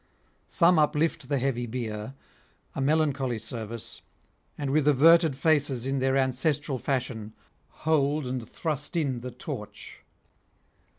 Some uplift the heavy bier, a melancholy service, and with averted faces in their ancestral fashion hold and thrust in the torch.